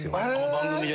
番組で？